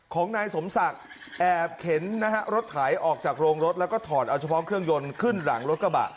ของนายสมศักดิ์แอบเข็นนะฮะรถไถออกจากโรงรถแล้วก็ถอดเอาเฉพาะเครื่องยนต์ขึ้นหลังรถกระบะ